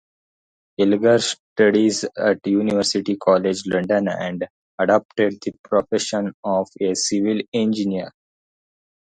Elger studied at University College London and adopted the profession of a civil engineer.